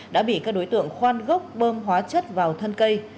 đã bị các đối tượng khoan gốc bơm hóa chất vào thân cây